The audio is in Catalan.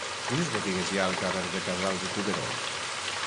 Quines botigues hi ha al carrer de Casals i Cuberó?